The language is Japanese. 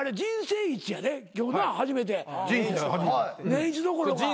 年１どころか。